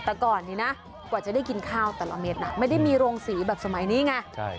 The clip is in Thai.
แต่ก่อนนี้นะกว่าจะได้กินข้าวแต่ละเม็ดนะไม่ได้มีโรงสีแบบสมัยนี้ไง